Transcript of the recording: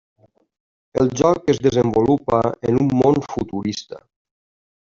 El joc es desenvolupa en un món futurista.